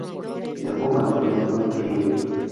Debo mantener un equilibrio.